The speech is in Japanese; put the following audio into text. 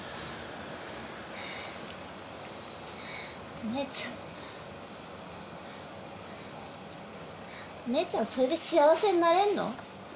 「お姉ちゃんお姉ちゃんそれで幸せになれんの？